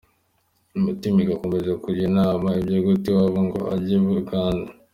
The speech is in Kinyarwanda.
Imitima igakomeza kujya inama; Ibyo guta iwabo ngo ajye Bugande.